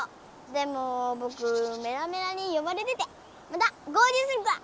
でもぼくメラメラによばれててまた合りゅうするから。